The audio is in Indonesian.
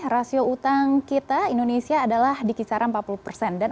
rasio utang kita indonesia adalah di kisaran empat puluh persen